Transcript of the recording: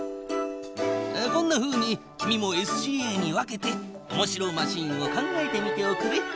こんなふうに君もＳＣＡに分けておもしろマシンを考えてみておくれ。